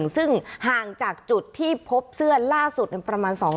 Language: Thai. ซึ่งห่างจากจุดที่พบเสื้อล่าสุดประมาณ